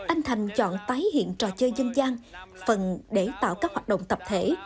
anh thành chọn tái hiện trò chơi dân gian phần để tạo các hoạt động tập thể